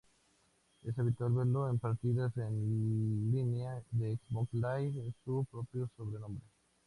Es habitual verlo en partidas en línea de Xbox Live con su propio sobrenombre.